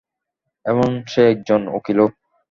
এবং সে একজন উকিলও।